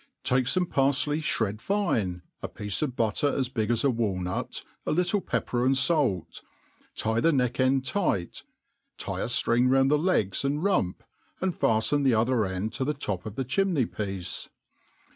TAKE fome paffley (hred fine, a piece of butter, as big %^ a walnut, a little pepper and fait; tie the neck>end tight; tie a firing round the legs and rump,' and fallen the other end to the top of the chimney piece.